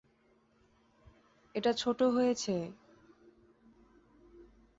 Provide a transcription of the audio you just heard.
এটা ছোট রয়েছে।